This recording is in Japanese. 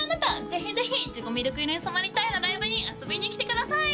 ぜひぜひいちごみるく色に染まりたい。のライブに遊びに来てください